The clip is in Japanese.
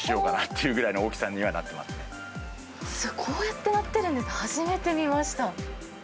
すごい、こうやってなってるんですね、初めて見ました。